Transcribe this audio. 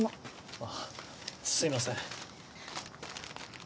あっすいません。